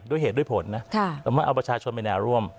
ด้วยเหตุด้วยผลนะเอาประชาชนไปแนวร่วม